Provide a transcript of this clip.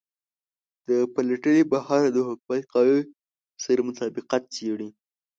د پلټنې بهیر د حکومت قانون سره مطابقت څیړي.